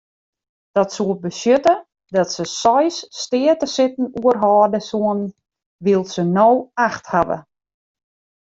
Dat soe betsjutte dat se seis steatesitten oerhâlde soenen wylst se no acht hawwe.